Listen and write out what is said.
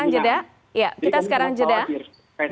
jadi ini bukan khawatir